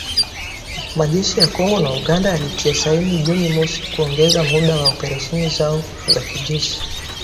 majeshi ya Kongo na Uganda yalitia saini Juni mosi kuongeza muda wa operesheni zao za kijeshi